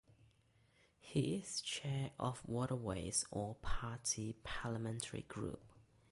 He is Chair of the Waterways All-Party Parliamentary Group.